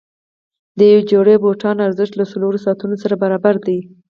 د یوې جوړې بوټانو ارزښت له څلورو ساعتونو سره برابر دی.